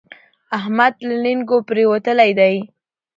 احمد له لېنګو پرېوتلی دی.